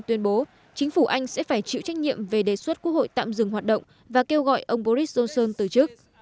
tuyên bố chính phủ anh sẽ phải chịu trách nhiệm về đề xuất quốc hội tạm dừng hoạt động và kêu gọi ông boris johnson từ chức